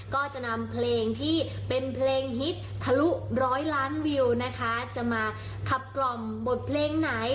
ก็จะนำเพลงที่เป็นเพลงฮิตทะลุร้อยล้านวิวนะคะจะมาขับกล่อมบทเพลงไหน